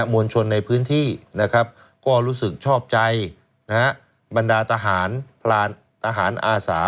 มวลชนในพื้นที่ก็รู้สึกชอบใจบรรดาทหารพลาดทหารอาสา